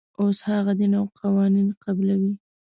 اوس هغه دین او قوانین قبلوي.